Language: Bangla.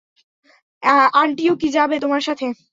আন্টিও কি যাবে তোমার সাথে?